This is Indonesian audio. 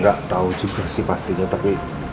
gak tau juga sih pastinya tapi